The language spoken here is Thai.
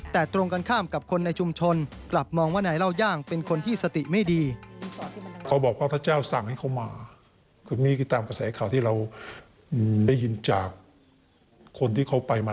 ตามกระแสข่าวที่เราได้ยินจากคนที่เขาไปมา